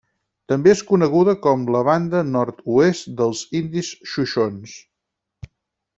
També és coneguda com la Banda nord-oest dels Indis Xoixons.